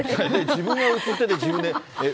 自分が映ってて、自分で、えっ？